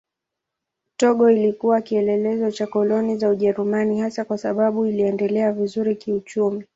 Togo ilikuwa kielelezo cha koloni za Ujerumani hasa kwa sababu iliendelea vizuri kiuchumi.